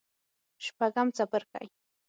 شپږم څپرکی